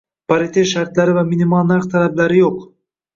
Paritet shartlari va minimal narx talablari yo'q